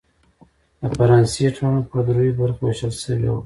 د فرانسې ټولنه پر دریوو برخو وېشل شوې وه.